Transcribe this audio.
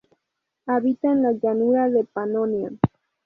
Habita en la llanura de Panonia.